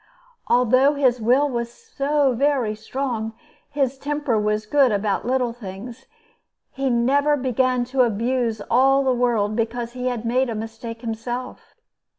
Although his will was so very strong, his temper was good about little things, and he never began to abuse all the world because he had made a mistake himself.